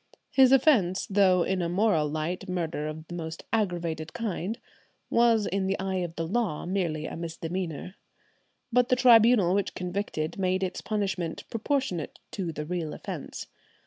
"His offence, though in a moral light murder of the most aggravated kind, was in the eye of the law merely a misdemeanour." But the tribunal which convicted made its punishment proportionate to the real offence.